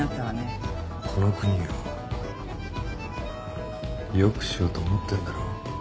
この国をよくしようと思ってんだろ？